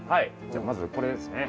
じゃまずこれですね。